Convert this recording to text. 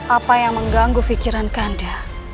apa yang mengganggu pikiran kanda